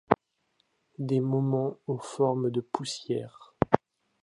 Des moments aux formes de poussières.